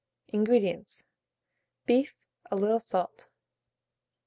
INGREDIENTS. Beef, a little salt.